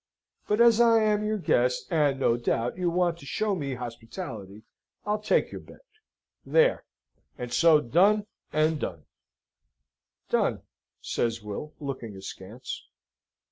But as I am your guest, and, no doubt, you want to show me hospitality, I'll take your bet there. And so Done and Done." "Done," says Will, looking askance.